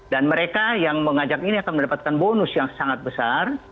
dan mereka yang mengajak ini akan mendapatkan bonus yang sangat besar